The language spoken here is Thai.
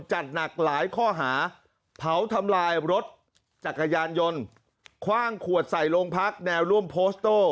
จัดหนักหลายข้อหาเผาทำลายรถจักรยานยนต์คว่างขวดใส่โรงพักแนวร่วมโพสต์โต้